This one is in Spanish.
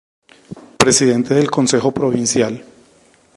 Presidente del Consejo Provincial.